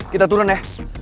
kita turun ya